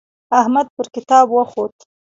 احمد پر کتاب وخوت.